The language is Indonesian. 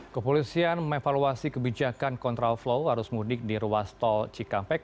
kepolisian mengevaluasi kebijakan kontrol flow harus mudik di ruas tol cikampek